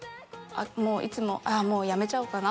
いつももうやめちゃおうかな